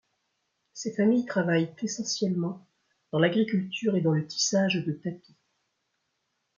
Ces familles travaillent essentiellement dans l’agriculture et dans le tissage de tapis.